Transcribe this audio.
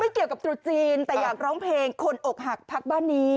เกี่ยวกับตรุษจีนแต่อยากร้องเพลงคนอกหักพักบ้านนี้